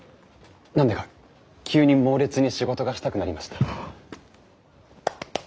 何だか急に猛烈に仕事がしたくなりました。